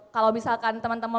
kalau misalkan temen temen